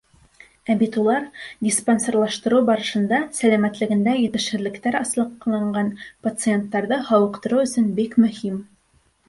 Ә бит улар диспансерлаштырыу барышында сәләмәтлегендә етешһеҙлектәр асыҡланған пациенттарҙы һауыҡтырыу өсөн бик мөһим.